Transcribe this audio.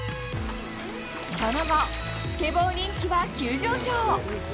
その後、スケボー人気は急上昇。